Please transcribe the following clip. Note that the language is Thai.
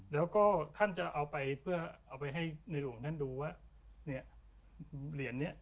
แล้วก็ท่านจะเอาไปให้ในหลวงท่านดูว่าเหรียญนี้